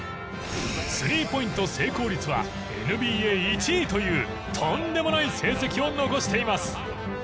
スリーポイント成功率はＮＢＡ１位というとんでもない成績を残しています。